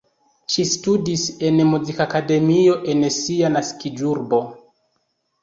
Ŝi studis en Muzikakademio en sia naskiĝurbo.